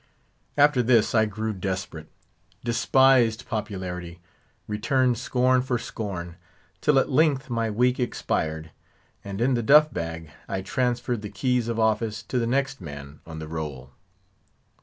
After this, I grew desperate; despised popularity; returned scorn for scorn; till at length my week expired, and in the duff bag I transferred the keys of office to the next man on the roll.